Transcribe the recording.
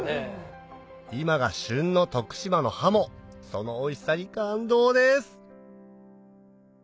今が旬の徳島のハモそのおいしさに感動です